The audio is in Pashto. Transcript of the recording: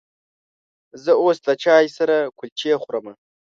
زه اوس له چای سره کلچې خورمه.